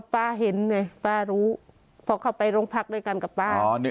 ป้าเห็นเลยป้ารู้พอเข้าไปโรงพักด้วยกันกับป้า